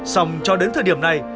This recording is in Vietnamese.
xong cho đến thời điểm này